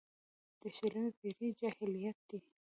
د شلمې پېړۍ جاهلیت ده.